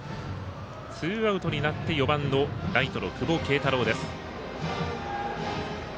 ツーアウトになって４番のライトの久保慶太郎。